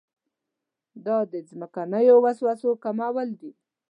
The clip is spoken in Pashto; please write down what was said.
دا د ځمکنیو وسوسو کمول دي.